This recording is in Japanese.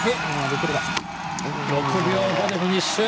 ６秒５でフィニッシュ！